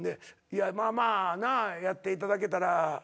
「まあまあやっていただけたら」